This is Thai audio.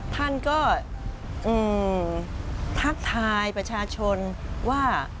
ท่านก็ทักทายประชาชนว่า